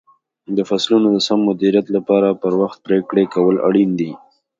د فصلونو د سم مدیریت لپاره پر وخت پرېکړې کول اړین دي.